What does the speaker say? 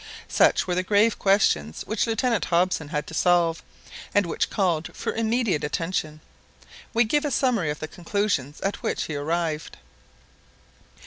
Such were the grave questions which Lieutenant Hobson had to solve, and which called for immediate attention. We give a summary of the conclusions at which he arrived.